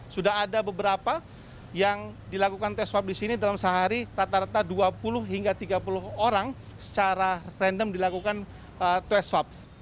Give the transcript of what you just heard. sudah ada beberapa yang dilakukan tes swab di sini dalam sehari rata rata dua puluh hingga tiga puluh orang secara random dilakukan tes swab